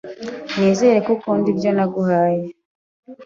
Nizere ko ukunda ibyo naguhaye.